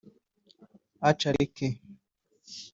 Acha Leke